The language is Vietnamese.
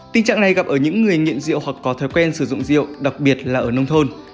tình trạng này gặp ở những người nghiện rượu hoặc có thói quen sử dụng rượu đặc biệt là ở nông thôn